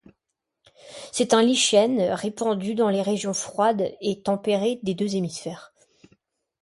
C’est un lichen répandu dans les régions froides et tempérées des deux hémisphères.